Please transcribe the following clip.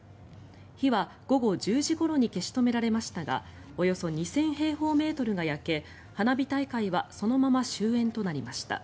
火は午後１０時ごろに消し止められましたがおよそ２０００平方メートルが焼け花火大会はそのまま終演となりました。